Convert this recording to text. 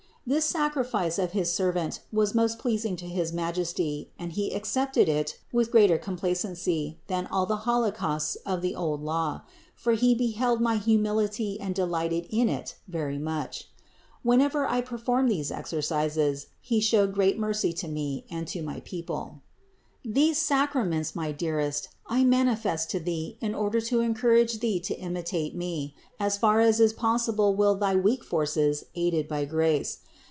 This sacrifice of his servant was most pleasing to his Majesty and He accepted it with greater complacency than all the holocausts of the old Law; for He beheld my humility and delighted in it very much. Whenever I performed these exercises, He showed great mercy to me and to my people. 36. These sacraments, my dearest, I manifest to thee in order to encourage thee to imitate me, as far as is possible will thy weak forces aided by grace.